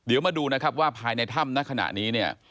เดี๋ยวมาดูนะครับว่าภายในถ้ำณขณะนี้เนี่ย